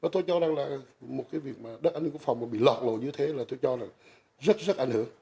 tôi cho rằng là một cái việc mà đất an ninh quốc phòng mà bị lọt lộ như thế là tôi cho là rất rất ảnh hưởng